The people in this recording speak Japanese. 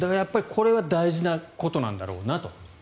これは大事なことなんだろうなと。